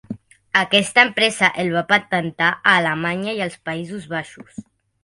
Aquesta empresa el va patentar a Alemanya i els Països Baixos.